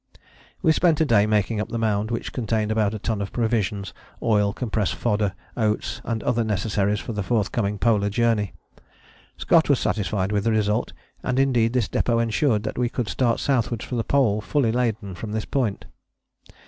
We spent a day making up the mound which contained about a ton of provisions, oil, compressed fodder, oats and other necessaries for the forthcoming Polar Journey. Scott was satisfied with the result, and indeed this depôt ensured that we could start southwards for the Pole fully laden from this point.